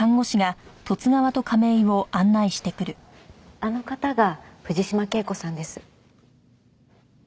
あの方が藤島圭子さんです。